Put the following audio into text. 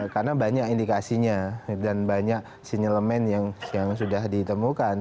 karena banyak indikasinya dan banyak sinyalemen yang sudah ditemukan